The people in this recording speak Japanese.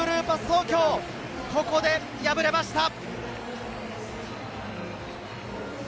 東京、ここで敗れました。